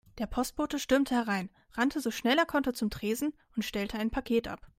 Der Postbote stürmte herein, rannte so schnell er konnte zum Tresen und stellte ein Paket ab.